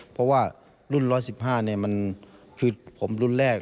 เพราะว่ารุ่น๑๑๕มันคือผมรุ่นแรก